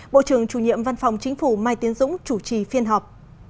bộ trưởng chủ nhiệm văn phòng chính phủ mai tiến dũng chủ trì phiên họp